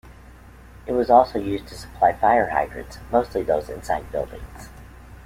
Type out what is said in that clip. It was also used to supply fire hydrants, mostly those inside buildings.